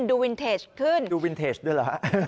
ดูวินเทจขึ้นดูวินเทจด้วยเหรอฮะ